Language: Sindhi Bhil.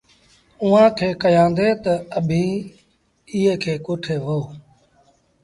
اُئآݩٚ کي ڪهيآندي تا، ”اڀيٚنٚ ايٚئي کي ڪوٺي وهو